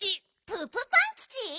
ププパンキチ？